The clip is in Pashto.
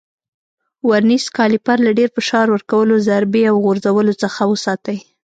ورنیز کالیپر له ډېر فشار ورکولو، ضربې او غورځولو څخه وساتئ.